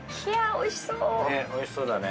おいしそうだね。